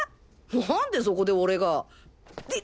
何でそこで俺がって！